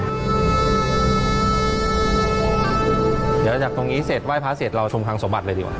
เดี๋ยวเราจากตรงนี้เศรษฐ์ไหว้พระเศรษฐ์เราชมคางสมบัติเลยดีกว่า